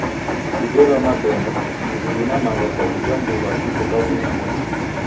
Didew'a mabemba, mngulu na manga kwa ija mbuw'a iko kavui na modenyi.